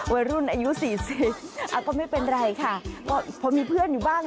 วัยรุ่นอายุสี่สิบอ่ะก็ไม่เป็นไรค่ะก็พอมีเพื่อนอยู่บ้าง